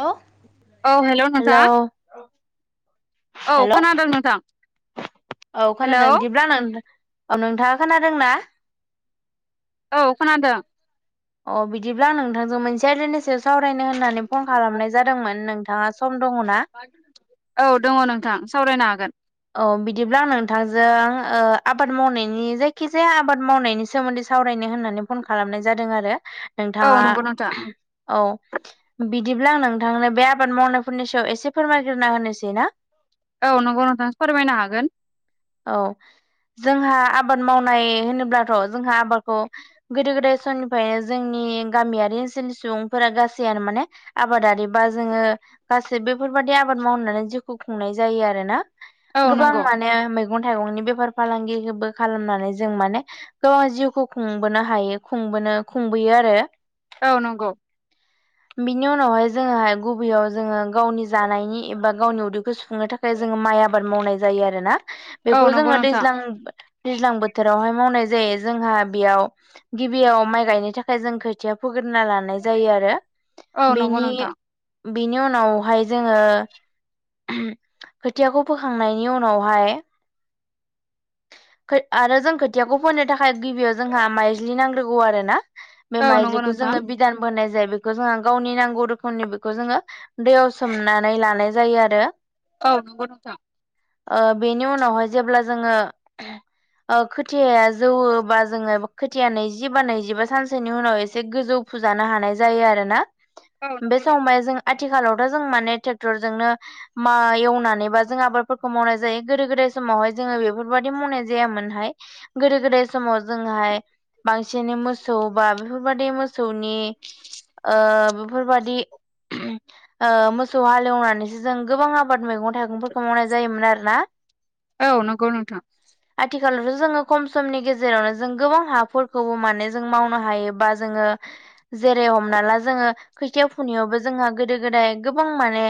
हेल' औ हेल' नथा औ हेलौ खोनादों नोंथां औ हेलौ खोनादों बिदिब्ला औ नोंथाङा खोनादों ना औ खोनादों अ बिदिब्ला आं नोंथांजों मोनसे आलायनाय सायाव सावरायनो होननानै फन खालामनाय जादोंमोन नोंथाङा सम दङना? औ दङ नोंथां सावरायनो हागोन। औ बिदिब्ला आं नोंथांजों आबाद मावनायनि जायखिजाया आबाद मावनायनि सोमोन्दै सावरायनो होननानै फन खालामनाय जादों आरो औ नोंथाङा नंगौ नोंथां औ बिदिब्ला आं नोंथांनो बे आबाद मावनायफोरनि सायाव एसे फोरमायग्रोना होनोसै ना। औ नंगौ नोंथांसो फोरमायनो हागोन। औ जोंहा आबाद मावनाय होनोब्लाथ' जोंहा आबादखौ गोदो गोदाय समनिफ्रायनो जोंनि गामियारि ओनसोलनि सुबुंफोरा गासैयानो माने आबादारि बा जोङो गासै बेफोरबाददि आबाद मावनानै जिउखौ खुंनाय जायो आरो ना। औ गोबां नंगौ माने मैगं थाइगंनि बेफार फालांगिबो खालामनानै जों माने गाव गावनि जिउखौ खुंबोनो हायो खुंबोनो खुंबोयो आरो औ नंगौ। बिनि उनावहाय जोङोहाय गुबैयाव जोङो गावनि जानायनि एबा गावनि उदैखौ सुफुंनो थाखाय जोङो माइ आबाद मावनाय जायो आरो ना। औ बेखौ नंगौ जोङो नोंथां दैज्लां दैज्लां बोथोरावहाय मावनाय जायो जोंहा बेयाव गिबियाव माइ गायनो थाखाय जों खोथिया फुोग्रना लानाय जायो आरो औ नंगौ बेनि नोंथां बिनि उनावहाय जोङो खोथियाखौ फोखांनाय नि उनावहाय आरो जों खो थियाखौ फोननो थाखाय गिबियाव जोंहा माइज्लि नांग्रोगौ आरो ना बे औ नंगौ माइज्लिखौ नोंथां जोङो बिदानबो होननाय जायो बेखौ जोंहा गावनि नांगौ रोखोमनि बेखौ जोङो दैयाव सोमनानै लानाय जायो आरो औ नंगौ नंथां ओ बेनि उनावहाय जेब्ला जोङो खोथिाया जौवबा जोङो खोथिया नैजिबा नैजिबा सानसेनि उनाव एसे गोजौ फुजानो हानाय जायो आरोना औ बे नंगौ समावहाय जों आथिखालावथ' जों माने ट्रेक्टरजोंनो माइ एवनानैबा जों आबाद फोर मावनाय जायो गोदो गोदाय समावहाय जोङो बेफोरबायाददि मावनाय जायामोनहाय गोदो गोदाय समाव जों हाय बांसिनै मोसौ बा बेफोरबादि मोसौनि ओ बेफोरबादि ओ मोसौ हालेवनानैसो जों गोबां आबाद मैगं थाइगंफोरखौ मावनाय जायोमोन आरो ना। औ नंगौ नोंथां। आथिखालावथ' जोङो खम समनि गेजेरावनो जों गोबां हाफोरखौबो माने जों मावनो हायोबा जोङो जेरै हमना ला जोङो खैथिया फुनाययावबो जोंहा गोदो गोदाय गोबां माने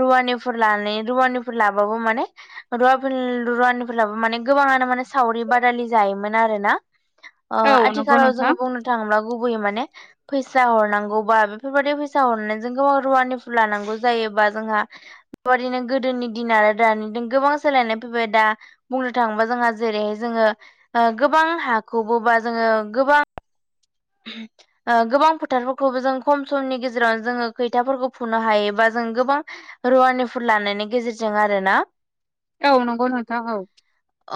रुवानिफोर लानाय रुवानिफोर लाबाबो माने रुवाफोर रुवानिफोर लाबो माने गोबाङानो माने सावरि बादालि जायोमोन आरोना औ नंगौ आथिखालाव नोंथां जोङो बुंनो थांब्ला गुबैयो माने फैसा हरनांगौबा बेफोरबायदि फैसा हरनानै जों गोबां रुवानिफोरल लानांगौ जायोबा जोंहा बेबाददिनो गोदोनि दिन आरो दानि गोबां सोलायनाय फैबाय दा बुंनो थाङोबा जोंहा जेरैहाय जोङो ओ गोबां हाखौबो बा जोङो गोबां [inaudible] ओ गोबां फोथारफोरखौबो जों खम समनि गेजेरावनो जोङो खैथाफोरखौ फुनो हायोबा जों गोबां रुवानिफोरुल लानायनि गेजेरजों आरोना। औ नंगौ नोंथां औ।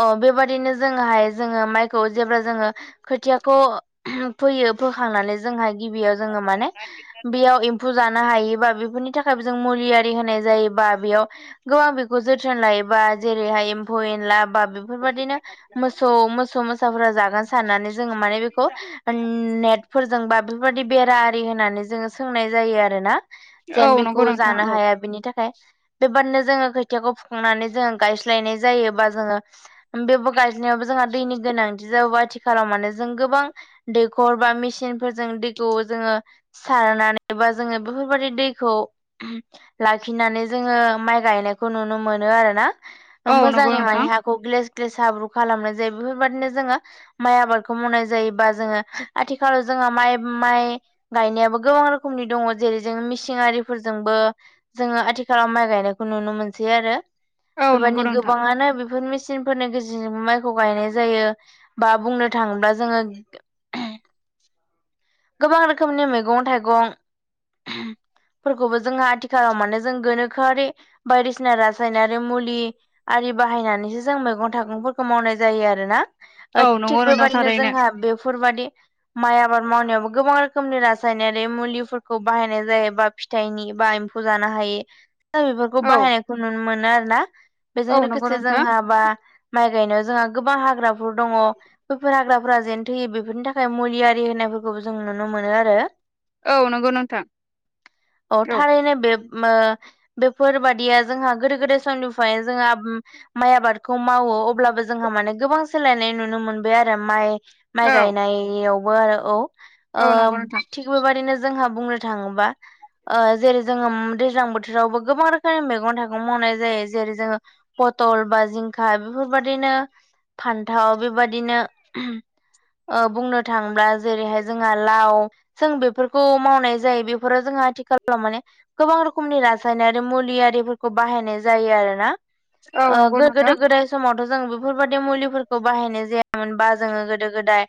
अ बेबादिनो जोङोहाय जोङो माइखौ जेब्ला जोङो खोथियाखौ फोयो फोखांनानै जोंहा गिबियाव जोङो माने बेयाव एम्फौ जानो हायोबा बेफोरनि थाखाय जों मुलि आरि होनाय जायोबा बेयाव गोबां बेखौ जोथोन लायोबा जेरैहाय एम्फौ एनला बा बेफोरबायदिनो मोसौ मोसौ मोसाफोरा जागोन साननानै जोङो माने बेखौ नेट फोरजोंबा बेफोरबायदि बेर आरि होननानै जोङो सोंनाय जायो आरोना। जेन औ नंगौ बेखौ नोंथां जानो औ हाया बिनि थाखाय। बेबादिनो जोङो खोथियाखौ फुखांनानै जोङो गायस्लायनाय जायोबा जोङो बेबो गा यनायावबो जोंहा दैनि गोनांथि जाबा आथि खालामानो जों गोबां दैखर बा मेसिनफोरजों दैखौ जोङो सारनानै बा जोङो बेफोरबादि दैखौ लाखिनानै जोङो माइ गायनायखौ नुनो मोनो आरोना। ओ औ नंगौ मोजाङै माने नोंथां हाखौ ग्लेस ग्लेस हाब्रु खालामनाय जायो बेफोरबादिनो जोङो माइ आबादखौ मावनाय जायोबा जोङो आथिखालाव जोंहा माइ माइ गायनायाबो गोबां रोखोमनि दङ जेरै जों मिसिनारिफोरजोंबो जोङो आथिखालाव माइ गायनायखौ नुनो मोनसै आरो औ नंगौ बेबायदिनो नोंथां गोबाङानो बेफोर मे चिनफोरनि गेजेरजों माइखौ गायनाय जायो। बा बुंनो थाङोब्ला जोङो [inaudible] गोबां रोखोमनि मेगं थाइगं फोरखौबो जोंहा आथिखालाव मानो जों गोनोखोआरि बायदिसिना रासायनारि मुलि आरि बाहायनानैसो जों मैगं थाइगंफोरखौ मावनाय जायो आरोना। ओ औ नंगौ थिग नोंथां बेबादिनो थारैनो जोंहा बेफोरबादि माइ आबाद मावनायावबो गोबां रोखोमनि रासायनारि मुलिफोरखौ बाहायनाय जायो बा फिथाइनि बा एम्फौ जानो हायो‌ बेफोरखौ औ बाहायनायखौ नुनो मोनो आरोना। औ बेजों नंगौ लोगोसे नोंथां जोंहा बा माइ गायनायाव जोंहा गोबां हाग्राफोर दङ बैफोर हाग्राफोरा जेन थैयो बेफोरनि थाखाय मुलियारि होननायफोरखौबो जों नुनो मोनो आरो‌ औ नंगौ नोंथां अ औ थारैनो बे ओ बेफोरबादिया जोंहा गोदो गोदाय समनिफ्राय जोंहा माइ आबाद खौ मावो अब्लाबो जोंहा माने गोबां सोलायनाय नुनो मोनबाय आरो माइ माइ औ गायनायाव बो आरो औ। औ ओ नंगौ नोंथां थिग बेबाददिनो जोंहा बुंनो थाङोबा ओ जेरै जोङो दैज्लां बोथोरावबो गोबां रोखोमनि मैगं थाइगं मावनाय जायो। जेरै जोङो पटल बा जिं खा बेफोरबायाददिनो फान्थाव बेबादिनो ओ बुंनो थाङोब्ला जेरैहाय जोंहा लाव जों बेफोरखौ मावनाय जायो बेफोरो जोंहा आथिखालाव माने गोबां रोखोमनि रासायनारि मुलियाफोरखौ बाहायनाय जायो आरोना। औ ओ नंगौ नोंथां गोदो गो दाय समावथ' जों बेफोरबायाददि मुलिफोरखौ बाहायनाय जायामोनबा जोङो गोदो गोदाय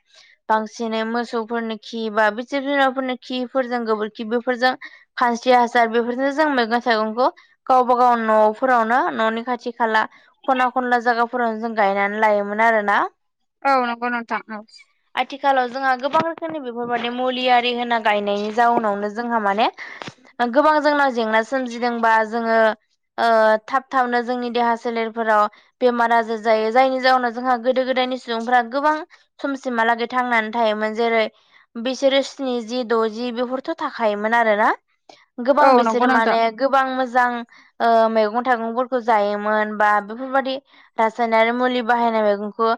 बांसिनै मोसौफोरनि खि बा बि जिब जुनारफोरनि खिफोरजों गोबोरखि बेफोरजों खानस्रि हासार बेफोरजोंनो जों मैगं थाइगंखौ गावबा गाव न'फोरावनो न'नि खाथि खाला खना खनला जायगाफोरावनो जों गायनानै लायोमोन आरोना। औ नंगौ नोंथा औ। आथिखालाव जोंहा गोबां [unintelligible] बेफोरबायदि मुलि आरि होना गायनायनि जाउनावनो जोंहा माने गोबां जोंनाव जेंना सोमजिदोंबा जोङो थाब थाबनो जोंनि देहा सोलेर फोराव बेमार आजार जायो जायनि जाउनाव जोंहा गोदो गोदायनि सुबुंफोरा गोबां समसिमहालागै थांनानै थायोमोन जेरै बिसोरो स्निजि द'जि बेफोरथ' थाखायोमोन आरो ना गोबां औ नंगौ बिसोर नोंथां माने गोबां मोजां ओ मैगं थाइगंफोरखौ जायोमोन बा बेफोरबादि रासायनारि मुलि बाहायनाय मैगंखौ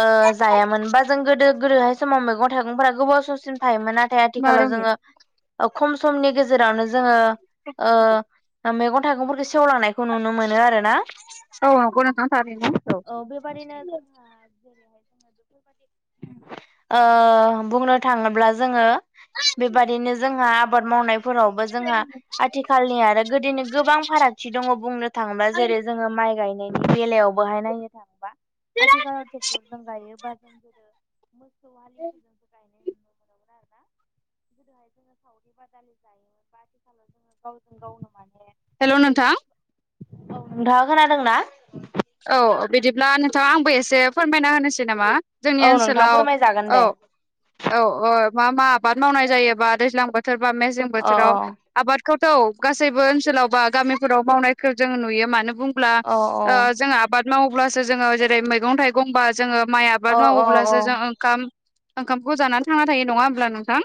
ओ जायामोन बा जों गोदो गोदोहाय समाव मैगं थाइगंफोरा गोबाव समसिम थायोमोन नाथाय मा आथिखालाव रोंगौ जोङो ओ खम समनि गेजेरावनो जोङो ओ मैगं थाइगंफोरखौ सेवलांनाय खौ नुनो मोनो आरोना। औ [inaudible] बुं औ बेबादिनो जोंहा जेरैहाय जोङो बेफोरबादि बुंनो थाङोब्ला जोङो बेबादिनो जोंहा आबाद मावनायफोरावबो जोंहा आथिखालनि आरो गोदोनि गोबां फारागथि दङ बुंनो थाङोबा जेरै जोङो माइ गायनायनि बेलायावबोहाय नायनो थाङोबा आथिखालाव ट्रेक्टर जों गायोबा जों गोदो मोसौ हालिफोर जोंसो गायो [unintelligible] सावरि बादालि जायो बा आथिखालाव जोङो गावजों गावनो माने हेल' नोंथां औ नोंथाङा खोनादोंना? औ बिदिब्ला नोंथां आंबो एसे फोरमायना होनोसै नामा जोंनि औ नोंथां ओनसोलाव फोरमायजागोन औ दे औ औ मा मा आबाद मावनाय जायोबा दैज्लां बोथोर बा मेेसें अ बोथोराव आबादखौथ' गासैबो ओनसोलाव बा गामिफोराव मावनायखौ जों नुयो मानो बुं ब्ला अ जोङो आबाद मावोब्लासो जोङो जेरै मैगं-थाइगं बा जोङो माइ अ आबाद अ अ मावोब्लासो जों ओंखाम ओंखामखौ जानानै थांना थायो नङा होमब्ला नोंथां?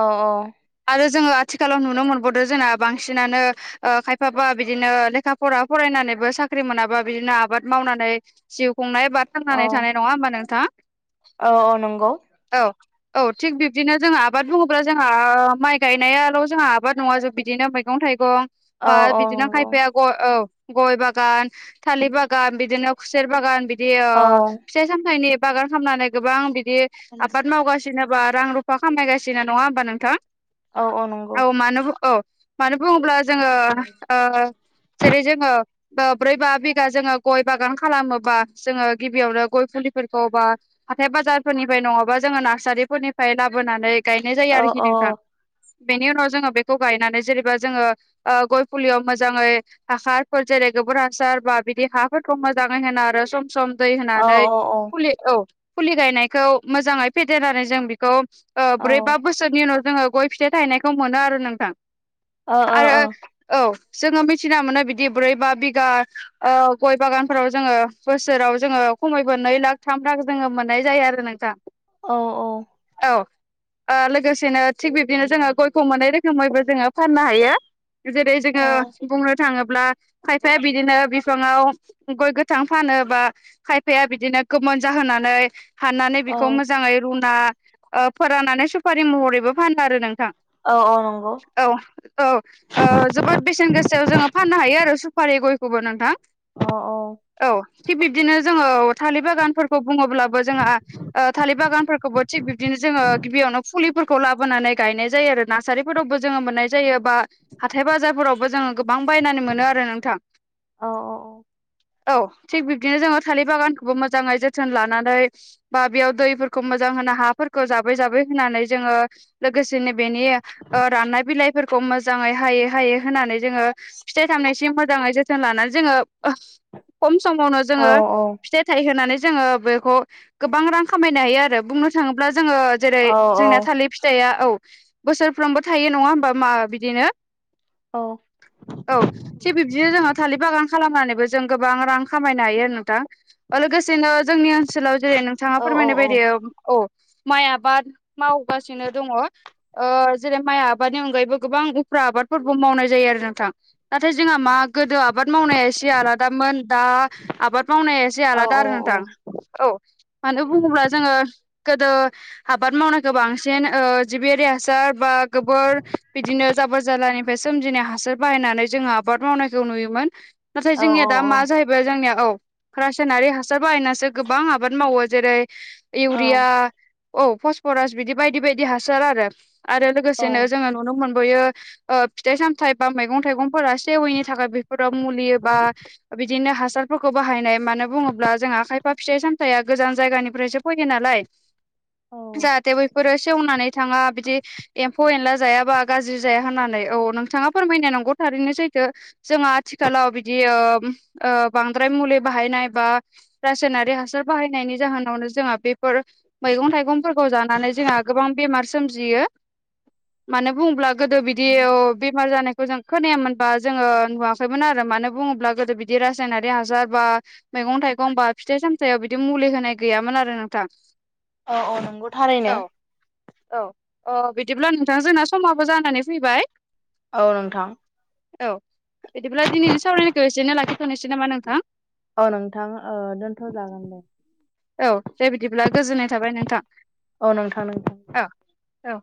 औ-औ आरो जोङो आथिखालाव नुनो मोनबावदो जोंना बांसिनानो खायफाबा बिदिनो लेखा फरा फरायनानैबो साख्रि मोनाबा बिदिनो आबाद मावनानै जिउ खुंनायबा औ थांनानै थानाय नङा होमबा नोंथां? औ औ नंगौ औ औ थिग बिब्दिनो जों आबाद बुङोब्ला जोंहा माइ गायनायाल' जोंहा आबाद नङा जों बिदिनो मैगं-थाइगं औ बा औ बिदिनो नंगौ खायफाया गय औ गय बागान थालिर बागान बिदिनो खुसेर बागान बिदि औ फिथाइ सामथनि बागान खालामामनानै गोबां बिदि लासै लासै आबाद मावगासिनो बा रां रुफा खामायगासिनो नङा होमबा नोंथां औ नंगौ औ मानो औ मानो बुङोब्ला जोङो जेरै जोङो ब्रै बा बि गा जोङो गय बागान खालामोबा जोङो गिबियावनो गय फुलिफोरखौ बा हाथाय बाजारफोरनिफ्राय नङाबा जोङो नार्सारिफोरनिफ्राय लाबोनानै गायनाय जायो औ आरोखि औ नोंथां। बेनि उनाव जोङो बेखौ गायनानै जेनेबा जोङो ओ गय फुलियाव मोजाङै हासारफोर जेरै गोबोर हासार बा बिदि हाफोरखौ मोजाङै होनो आरो सम सम दै औ होनानै औ ओ ओ फुलि औ फुलि गायनायखौ मोजाङै फेदेरनानै जों बेखौ ओ ब्रै, बा बोसोर सोरनि उनाव जोङो गय फिथाइ थायनायखौ मोनो आरो नोंथां। औ आरो औ। जोङो मिथिना मोनो बिदि बोरैबा बिगा ओ गय बागानफोराव जोङो बोसोराव जोङो खमैबो नै लाख थाम लाख जोङो मोननाय जायो आरो नोंथां। औ-औ। औ। ओ लोगोसेनो थिग बिब्दिनो जोङो गयखौ मोननाय रोखोमैबो जोङो फाननो हायो। जेरै जोङो बुंनो थाङोब्ला खायफाया बिदिनो बि फाङाव गय गोथां फानो बा खायफाया बिदिनो गोमोन जाहोनानै हाननानै औ बेखौ मोजाङै रुना फोराननानै सुफारि महरैबो फानो आरो नोंथां। औ औ नंगौ। औ औ। ओ जोबोद बेसेन गोसायाव जोङो फाननो हायो आरो सुपारि गयखौबो नोंथां। अ औ। औ थिग बिब्दिनो जोङो औ थालिर बागानफोरखौ बुङोब्लाबो जोंहा ओ थालिर बागानफोरखौबो थिग बिब्दिनो जोङो गिबियावनो फुलिफोरखौ लाबोनानै गायनाय जायो आरो ना। थासारिफोरावबो जोङो मोननाय जायो बा हाथाय बाजारफोरावबो जोङो गोबां बायनानै मोनो आरो नोंथां। औ औ औ। औ थिग बिबदिनो जोङो थालिर बागानखौबो मोजाङै जोथोन लानानै बा बेयाव दैफोरखौ मोजां होना हाफोरखौ जाबै जाबै होनानै जोङो लोगोसेनो बेनि राननाय बिलाइफोरखौ मोजाङै हायै हायै होनानै जोङो फिथाइ थामनायसिम मोजाङै जोथोन लानानै जोङो ओ खम समावनो जोङो औ फिथाइ थाइ होनानै जोङो बेखौ गोबां रां खामायनो हायो आरो। बुंनो थाङोब्ला जोङो जेरै औ जोंनाया थालिर फिथाइया औ बोसोरफ्रोमबो थायो नङा होमबा मा बिदिनो औ। औ। थिग बिबदिनो जोङो थालिर बागान खालामनानैबो जों गोबां रां खामायनो हायो आरो नोंथां। लोगोसेनो जोंनि ओनसोलाव जेरै नों थाङा औ फोरमायनो बायदि औ माइ आबाद मावगासिनो दङ। ओ जेरै माइ आबादनि अनगायैबो गोबां उफ्रा आबादफोरखौ मावनाय जायो आरो नोंथां। नाथाय जोंहा मा गोदो आबाद आबाद मावनाया एसे आलादामोन दा आबाद मावनाया एसे आलादा आरो नोंथां। औ। मानो बुङोब्ला जोङो गोदो आबाद मावनायखौ बांसिन ओ जिबियारि हासार बा गोबोर बिदिनो जाबोर जालानिफ्राय सोमजिनाय हासार बाहायनानै जोङो आबाद मावनायखौ नुयोमोन। नाथाय जोंनिया दा मा जाहै बाय जोंनिया औ रासयनारि हासार बाहायनासो गोबां आबाद मावो। जेरै इउरिया औ फसफरास बिदि बायदि बायदि हासार आरो आरो औ लोगोसेनो जोङो नुनो मोनबोयो ओ फिथाइ सामथाइ बा मैगं थाइगंफोरा सेवैनि थाखाय बे फोराव मुलि बा बिदिनो हासारफोरखौ बाहायनाय मानो बुङोब्ला जोंहा खायफा फिथाइ सामथायाइया गोजान जायगानिफ्रायसो फैयो नालाय जाहाथे बैफोरो सेवनानै थाङा बिदि एम्फौ एनला जायाबा गाज्रि जाया होननानै। औ नोंथाङा फोरमायनाय नंगौ थारैनो सैथो। जोंहा आथिखालाव बिदि ओ ओ बांद्राय मुलि बाहायनाय बा रासायनारि हासार बाहायनायनि जाहोनावनो जोंहा बेफोर मैगं थाइगंफोरखौ जानानै जोंहा गोबां बेमार सोमजियो। मानो बुङोब्ला गोदो बिदियाव बेमार जानायखौ जों खोनायामोनबा जोङो नुवा खैमोन आरो मानो बुङोब्ला गोदो बिदि रासायनारि हासार बा मैगं थाइगं बा फिथाइ सामथाइयाव बिदि मुलि होनाय गैयामोन आरो नोंथां। औ औ नंगौ थारैनो। औ औ बिदिब्ला नोंथां जोंना समाबो जानानै फैबाय। औ नोंथां। औ बिदिब्ला दिनैनि सावरायनायखौ एसेनो लाखिथ'नोसै नामा नोंथां? औ नोंथां दोनथ' जागोन दे। औ दे बिदिब्ला गोजोननाय थाबाय नोंथां। औ नोंथां नोंथां अ औ।